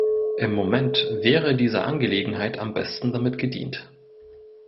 Im Moment wäre dieser Angelegenheit am besten damit gedient.